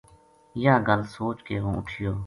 یاہ گل سوچ کے ہوں اُٹھیو